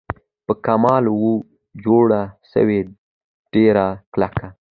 په کمال وه جوړه سوې ډېره کلکه